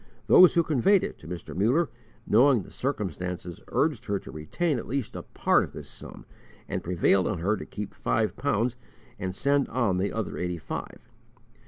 Those who conveyed it to Mr. Muller, knowing the circumstances, urged her to retain at least a part of this sum, and prevailed on her to keep five pounds and sent on the other eighty five.